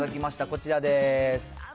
こちらです。